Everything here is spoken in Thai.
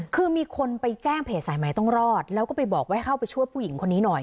คือมีคนไปแจ้งเพจสายใหม่ต้องรอดแล้วก็ไปบอกว่าให้เข้าไปช่วยผู้หญิงคนนี้หน่อย